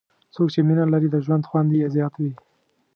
څوک چې مینه لري، د ژوند خوند یې زیات وي.